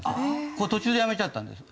途中でやめちゃったんです。